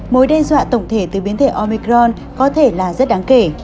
mối đe dọa tổng thể từ biến thể omicron có thể là rất đáng kể